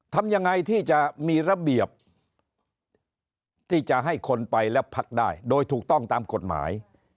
ทำยังไงที่จะมีระเบียบที่จะให้คนไปและพักได้โดยถูกต้องตามกฎหมาย